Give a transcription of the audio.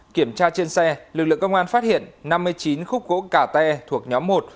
kiểm tra trên xe lực lượng công an phát hiện năm mươi chín khúc gỗ cả tê thuộc nhóm một